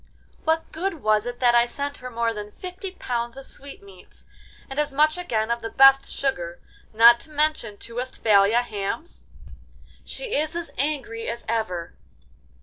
What good was it that I sent her more than fifty pounds of sweetmeats, and as much again of the best sugar, not to mention two Westphalia hams? She is as angry as ever.